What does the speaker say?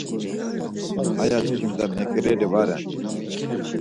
Aya çkimda meǩireli va ren.